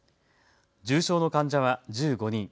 重症の患者は１５人。